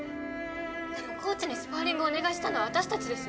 でもコーチにスパーリングをお願いしたのは私たちです。